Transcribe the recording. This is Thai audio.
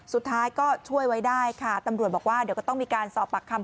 สุดท้ายก็ช่วยไว้ได้ค่ะตำรวจบอกว่าเดี๋ยวก็ต้องมีการสอบปากคำ